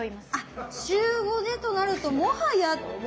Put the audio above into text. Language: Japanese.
週５でとなるともはや。